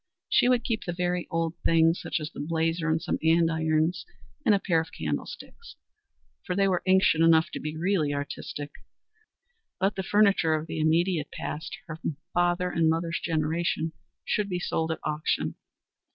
She would keep the very old things, such as the blazer and some andirons and a pair of candlesticks, for they were ancient enough to be really artistic, but the furniture of the immediate past, her father and mother's generation, should be sold at auction.